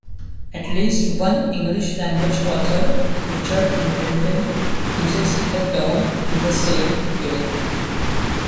At least one English-language author, Richard Middleton, uses the term in the same way.